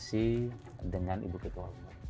saya bilang ini adalah kompetisi yang harus